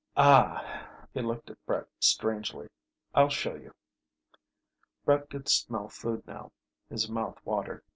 "Ah." He looked at Brett strangely. "I'll show you." Brett could smell food now. His mouth watered.